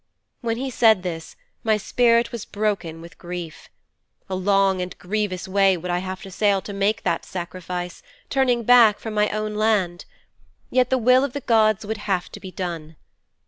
"' 'When he said this my spirit was broken with grief. A long and a grievous way would I have to sail to make that sacrifice, turning back from my own land. Yet the will of the gods would have to be done.